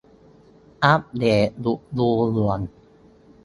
อัปเดตอุดรูด่วน